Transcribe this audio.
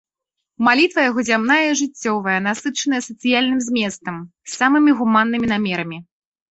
Малітва яго зямная і жыццёвая, насычаная сацыяльным зместам, самымі гуманнымі намерамі.